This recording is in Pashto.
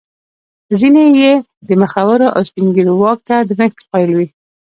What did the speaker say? ځیني یې د مخورو او سپین ږیرو واک ته درنښت قایل وي.